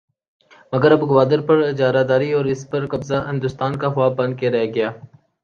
مگر اب گوادر پر اجارہ داری اور اس پر قبضہ ہندوستان کا خواب بن کے رہ گیا۔